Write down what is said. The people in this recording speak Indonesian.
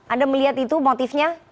anda melihat itu motifnya